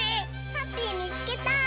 ハッピーみつけた！